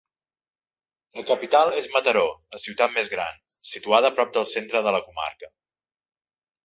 La capital és Mataró, la ciutat més gran, situada prop del centre de la comarca.